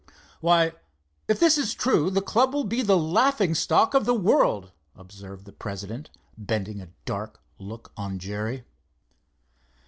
"Why, if this is true, the club will be the laughing stock of the world," observed the president, bending a dark look on Jerry.